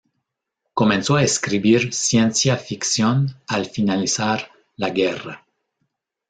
Comenzó a escribir ciencia ficción al finalizar la guerra.